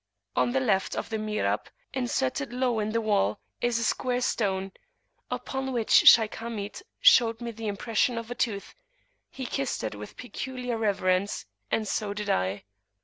[FN#24] On the left of the Mihrab, inserted low down in the wall, is a square stone, upon which Shaykh Hamid showed me the impression of a tooth[FN#25]: he kissed it with peculiar reverence, and so did I.